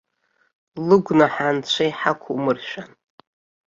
Лыгәнаҳа анцәа иҳақәумыршәан.